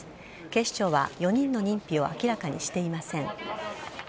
警視庁は４人の認否を明らかにしていません。